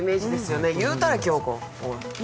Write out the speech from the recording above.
言うたれ、京子！